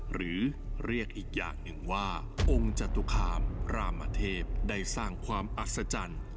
หรือเรียกอีกอย่างหนึ่งว่าองค์จตุคามรามเทพได้สร้างความอัศจรรย์